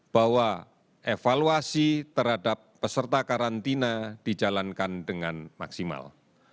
bahwa evaluasi terhadap peserta karantina dijalankan dengan maksimal